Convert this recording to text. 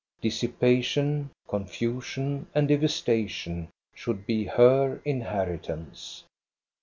Dissipation, confusion, and devastation should be her inheritance.